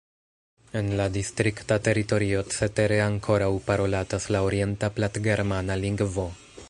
En la distrikta teritorio cetere ankoraŭ parolatas la orienta platgermana lingvo.